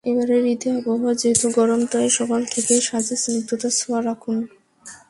এবারের ঈদে আবহাওয়া যেহেতু গরম, তাই সকাল থেকেই সাজে স্নিগ্ধতার ছোঁয়া রাখুন।